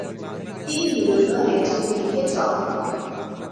তিনি মূলত একজন উইকেট রক্ষক।